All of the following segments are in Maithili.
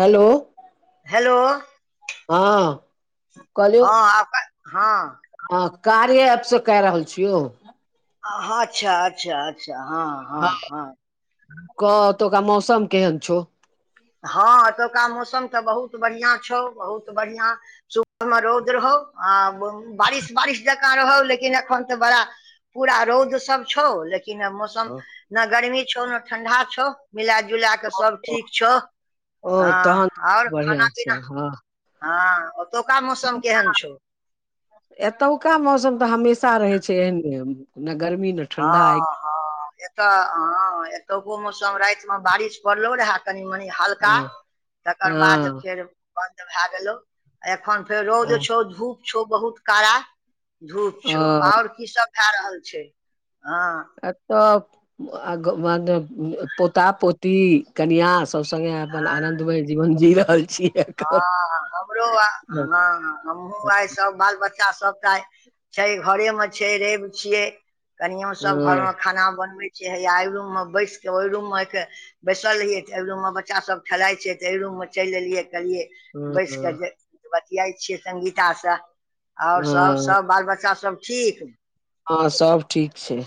हेलो हेलो हँ कहलियौ हँ आपन हँ हँ कार्य ऐप से कए रहल छियौ अच्छा अच्छा अच्छा हँ हँ कह ओतोका मौसम केहन छौ हँ एतौका मौसम तऽ बहुत बढ़ियाँ छौ बहुत बढ़ियाँ सुबहमे रौद रहौ आ बारिश बारिश जकाँ रहौ लेकिन एखन तऽ बड़ा पूरा रौद सब छौ लेकिन अ मौसम मौसम ने गर्मी छौ ने ठंडा छौ मिला-जुला कऽ सब ठीक छौ। ओ तहन हँ आओर खाना बढ़िआँ छै पीना हँ हँ ओतौका मौसम केहन छौ एतौका मौसम तऽ हमेशा रहे छै एहने गर्मी ने हँ ठण्डा हँ एतऽ हँ एतौको मौसम रात मे बारिश पड़लो रहे कनी-मनी हल्का हँ तकर बाद हँ फेर बन्द भए गेलो एखन फेर रौद हँ, छौ धूप छौ बहुत काड़ा धूप छौ आओर की सब भए रहल छे हँ ' एतऽ आ ग बाद मे पोता पोती कनिआँ सभ संगे अपन आनन्दमय जीवन जी रहल छियै हँ हमरो आ हँ हमहु आइ सब बाल बच्चा सबके आय छै घरे मे छै रवि छियै कनियो सब घर हँ मे खाना बनबे छै से हया एहि रूम मे बैसके ओहि रूमक के बैसल रहियै तऽ एहि रूम मे बच्चा सब खेलाय छै तऽ एहि रूम मे चलि एलियै। कहलियै बैस कऽ हँ जे बतियाइ छियै संगीता से आओर सब हँ सभ बाल बच्चा सभ ठीक हाॅं सब ठीक छै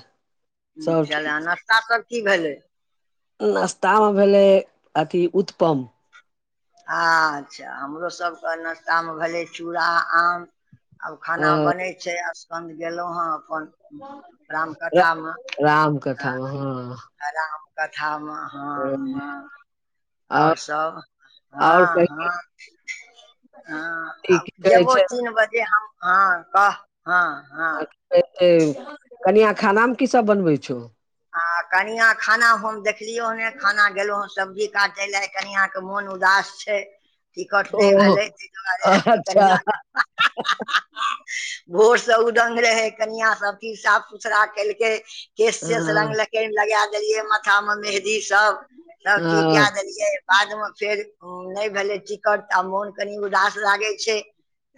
सब ठीक चले नाश्ता सब की भेलै नश्तामे भेलै अथी उत्पम अच्छा हमरोसभके नाश्तामे भेलै चूड़ा आम आब खाना अ बनै छै स्सकन्द गेलौं हेँ रामकथा मे राम कथामे राम कथामे हँ हॅं ओर सब। आओर हँ कही हँ। हँ आब की कहै जेबो छै तीन बजे हम हँ कह हँ हँ ऐतै कनिया खानामे की सब बनबै छौ हाँ कनिया खाना हम देखलियो हं नै खाना गेलहु हॅं सब्जी काटय लऽ कनिया के मोन उदास छै टिकट नहि ओ भेलै ताहि दुआरे ई अच्छा कनियाँ हा हा हा हा। भोर से उदंग रहे कनिया सब चीज साफ सुथरा केलकै केस तेस हँ रंगलकै लगा देलिये माथा मे मेहदी सब सब चीज हँ कऽ देलिये बाद मे फेर नहि भेलै टिकट तऽ मोन कनि उदास लागै छै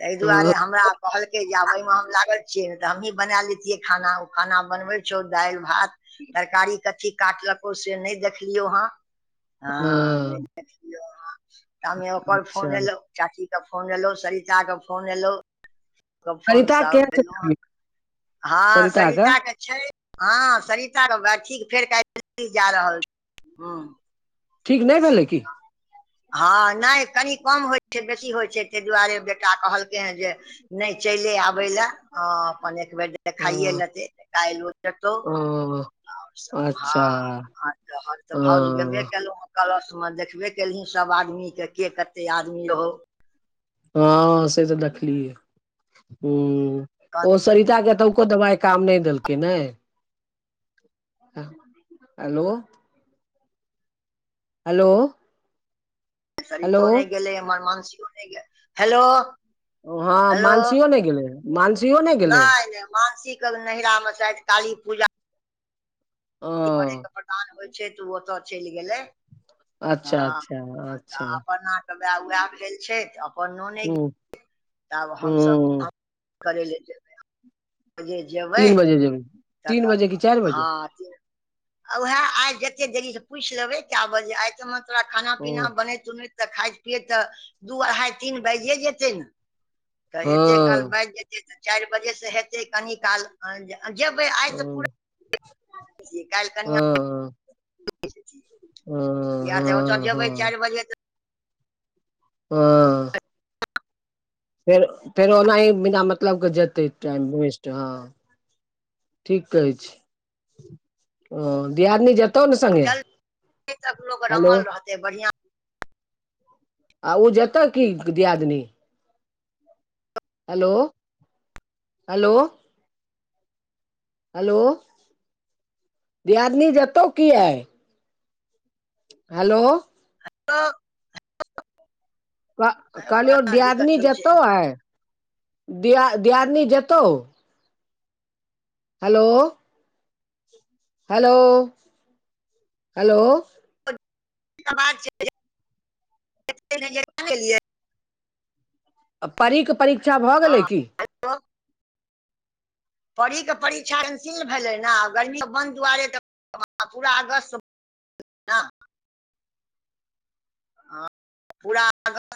ताहि हँ दुआरे हमरा कहलकै जे आब एहिमे हम लागल छियै ने तऽ हमहीँ बना लैतियै खाना ओ खाना बनबै छौ दाल भात तरकारी कथी काटलको से नहि देखलियौ हँ हॅं देखियो तामे ओकर फोन अच्छा एलो चाची के फोन एलो सरिता के फोन एलौ तऽ फोन सरिता सब केहन छै तबियत हाॅं संगिता [unintelligible] के छै हँ सरिताके [unintelligible] ठीक फेर कल्हि दिल्ली जा रहल छै ह। ठीक नहि भेलै कि हँ नहि कनि कम होइ छै बेसी होइ छै ताहि दुआरे बेटा कहलकै हेँ जे नहि चलि आबे लए हाॅं अपन एक बेर हँ देखाइए लेतै काल्हि ओ जतहु ओ ओर सब ह अच्छा आओर तऽ हँ भाऊज गेबे केलहु ह कलश मे देखबे केलिही सब आदमी कए के कते आदमी रहौ हँ से तऽ देखलियै हुं ओ कहने सरिता के देलकौ दबाय काम नहि देलकै नै हेलो हेलो हेलो शरितो ने गेलै हमर मानसीयों ने गेल। हेलो ओ हाँ हेलो मानसियों ने गेलै मानसियों ने गेलै मानसि नहिरा मे सायद काली पूजा हाँ बली के प्रदान होइ छै तऽ उ ओतऽ चेल गेलै अच्छा हाँ अच्छा अच्छा अचार बना के ला उएहा गेल छै त अपन नोने ह त आब हमसभ ह भक करै लए जेबै जे जेबै के जेबी झकास बा हाँ [inaudible] आ जे उएह आइ जते देरी से पूछ लेबै काए बजे आइते मत। ओकरा खाना ओ पीना बनेैत बनैत तऽ खाइत पियैत तऽ दू, अढ़ाइ, तीन बाजे जेतै ने तऽ एतेक काल हँ बाज जेतै त चार बजे से हेतै कनी काल जेबे आइ तऽ पूरा काल्हि कनिया हाँ या तऽ ओतऽ जेबै हँ चार बजे [unintelligible] फेर -फेर ओना ही बिना मतलब के जेतै टाइम वेस्ट हाँ ठीक कहै छी ओ दियादनी झग चलते सब लोक हेलो ब्राह्मण रहतै बढ़िआँ आ उ जेते की दियदनी हेलो, हेलो हेलो दिआदनी जतो कि आइ हेलो [inaudible] कह कहलियौ बड़ा दियादनी दिक्कत होइ छै जेतौ हँ आय दियादनी जेतौ हेलो हेलो हेलो [inaudible] परी के परीक्षा भऽ गेलै कि [inaudible] परी केऽ परीक्षा कैंसिल भेलै ने आ गर्मी बन्द दुआरे तऽ पूरा अगस्त ना हाँ पूरा